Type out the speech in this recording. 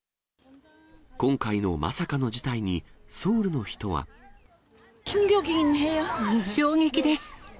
今回のまさかの事態に、衝撃です。